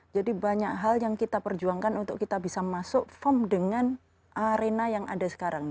jadi banyak hal yang kita perjuangkan untuk kita bisa masuk form dengan arena yang ada sekarang